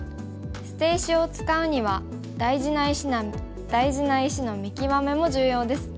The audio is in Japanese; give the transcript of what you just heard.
捨て石を使うには大事な石の見極めも重要です。